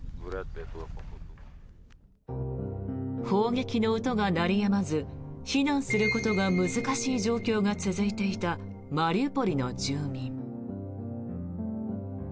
砲撃の音が鳴りやまず避難することが難しい状況が続いていたマリウポリの住民。